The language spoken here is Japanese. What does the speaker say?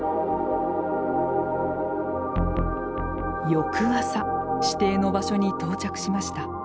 翌朝指定の場所に到着しました。